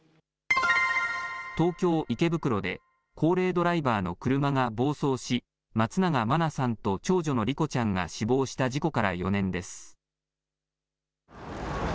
東京・池袋で、高齢ドライバーの車が暴走し、松永真菜さんと長女の莉子ちゃんが死亡した事故から４年です。